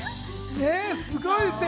すごいですね。